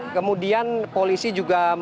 kemudian polisi juga memaksa